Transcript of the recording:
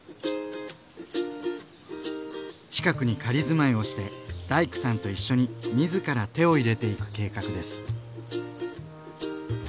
近くに仮住まいをして大工さんと一緒に自ら手を入れていく計画です。